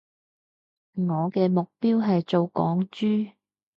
我嘅目標係做港豬